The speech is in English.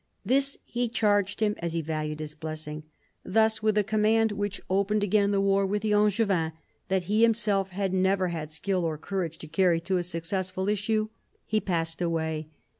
This he charged him as he valued his blessing. Thus, with a command which opened again the war with the Angevins that he himself had never had skill or courage to carry to a successful issue, he passed away.